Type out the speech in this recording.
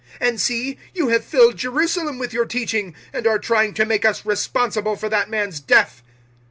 "And see, you have filled Jerusalem with your teaching, and are trying to make us responsible for that man's death!"